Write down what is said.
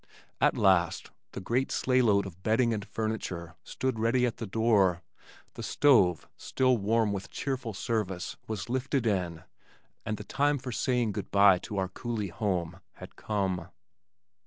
At last the great sleigh load of bedding and furniture stood ready at the door, the stove, still warm with cheerful service, was lifted in, and the time for saying good bye to our coulee home had come.